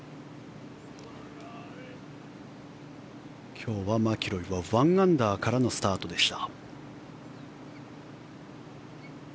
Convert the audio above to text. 今日はマキロイは１アンダーからのスタートでした。